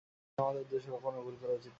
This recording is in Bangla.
কিন্তু আমাদের উদ্দেশ্য কখনই ভুল করা উচিত নয়।